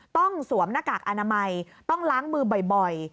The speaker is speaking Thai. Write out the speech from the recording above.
สวมหน้ากากอนามัยต้องล้างมือบ่อย